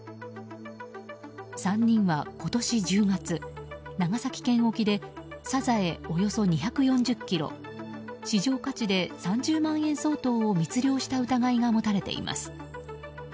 ３人は今年１０月、長崎県沖でサザエおよそ２４０ｋｇ市場価値で３０万円相当を密漁した疑いが持たれています。